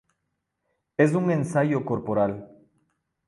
Es un ensayo corporal.